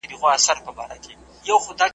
په کاله کی یې لوی کړي ځناور وي .